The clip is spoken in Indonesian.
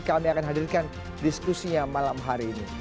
kami akan hadirkan diskusinya malam hari ini